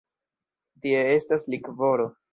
Tie estas likvoro.